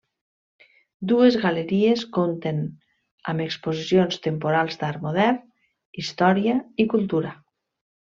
Dues galeries compten amb exposicions temporals d'art modern, història i cultura.